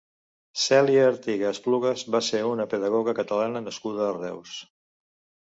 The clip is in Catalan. Cèlia Artiga Esplugues va ser una pedagoga Catalana nascuda a Reus.